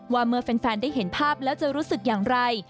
ว่าเมื่อแฟนได้เห็นภาพแล้วจะรู้สึกอย่างไร